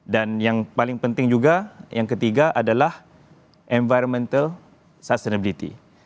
dan yang paling penting juga yang ketiga adalah environmental sustainability